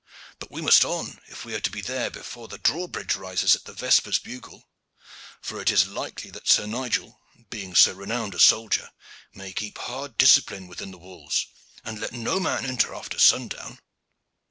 "But we must on, if we are to be there before the drawbridge rises at the vespers bugle; for it is likely that Sir Nigel, being so renowned a soldier, may keep hard discipline within the walls, and let no man enter after sundown."